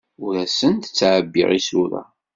Ur asen-d-ttɛebbiɣ isura.